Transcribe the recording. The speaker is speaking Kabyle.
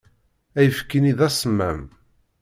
Ayefki-nni d asemmam.